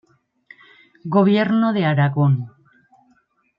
Gobierno de Aragón.